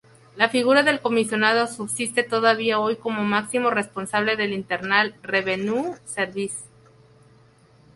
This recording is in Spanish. La figura del Comisionado subsiste todavía hoy como máximo responsable del Internal Revenue Service.